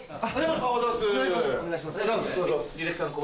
お願いします。